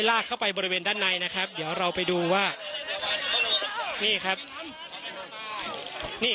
ลากเข้าไปบริเวณด้านในนะครับเดี๋ยวเราไปดูว่านี่ครับนี่